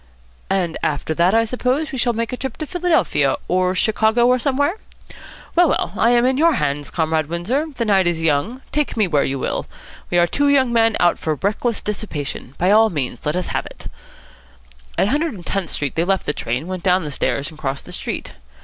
"And after that, I suppose, we'll make a trip to Philadelphia, or Chicago, or somewhere? Well, well, I am in your hands, Comrade Windsor. The night is yet young. Take me where you will. It is only five cents a go, and we have money in our purses. We are two young men out for reckless dissipation. By all means let us have it." At Hundred and Tenth Street they left the train, went down the stairs, and crossed the street.